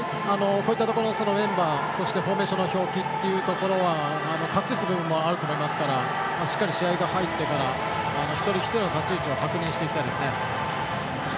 メンバー、そしてフォーメーションの表記は隠す部分もあると思いますからしっかり試合に入ってから一人一人の立ち位置を確認していきたいですね。